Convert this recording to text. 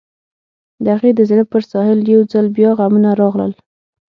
د هغې د زړه پر ساحل يو ځل بيا غمونه راغلل.